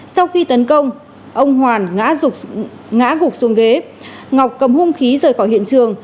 sau khi tấn công ông hoàn ngã gục xuống ghế ngọc cầm hung khí rời khỏi hiện trường